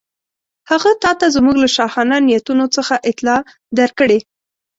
هغه تاته زموږ له شاهانه نیتونو څخه اطلاع درکړې.